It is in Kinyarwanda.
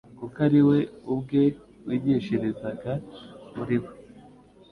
kuko ari we ubwe wigishirizaga muri bo.